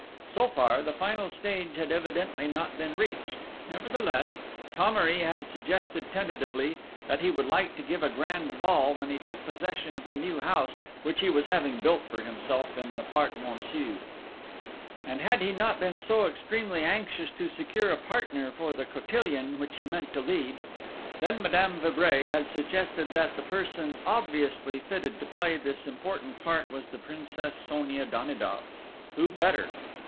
So far, the final stage had evidently not been reached; nevertheless, Thomery had suggested, tentatively, that he would like to give a grand ball when he took possession of the new house which he was having built for himself in the park Monceau!... And had he not been so extremely anxious to secure a partner for the cotillion which he meant to lead!... Then Madame de Vibray had suggested that the person obviously fitted to play this important part was the Princess Sonia Danidoff! Who better!